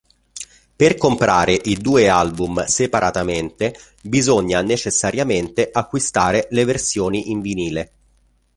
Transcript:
Per comprare i due album separatamente, bisogna necessariamente acquistare le versioni in vinile.